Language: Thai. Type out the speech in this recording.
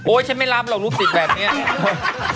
โอ๊ยฉันไม่รับเราลูกจิตแบบนี้